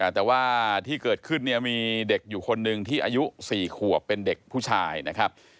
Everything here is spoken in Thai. แต่ว่าที่เกิดขึ้นเนี่ยมีเด็กอยู่คนหนึ่งที่อายุ๔ขวบเป็นเด็กผู้ชายนะครับ